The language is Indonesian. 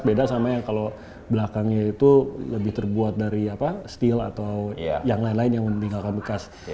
beda sama yang kalau belakangnya itu lebih terbuat dari steel atau yang lain lain yang meninggalkan bekas